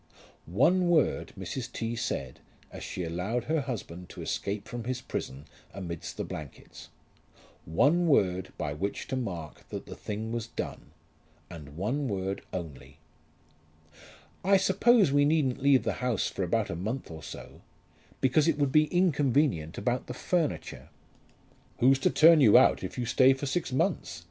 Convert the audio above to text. One word Mrs. T. said as she allowed her husband to escape from his prison amidst the blankets, one word by which to mark that the thing was done, and one word only. "I suppose we needn't leave the house for about a month or so, because it would be inconvenient about the furniture." "Who's to turn you out if you stay for six months?"